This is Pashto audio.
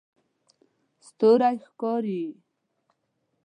ستوری ښکاري